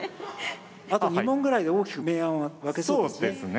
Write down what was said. あと２問ぐらいで大きく明暗は分けそうですね。